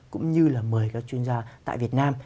cũng như là mời các chuyên gia tại việt nam